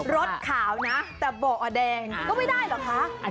รถขาวนะแต่เบาะแดงก็ไม่ได้เหรอคะ